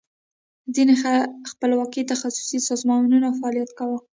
ځینې خپلواکي تخصصي سازمانونو فعالیت کاو.